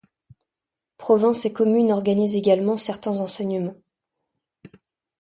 Provinces et communes organisent également certains enseignements.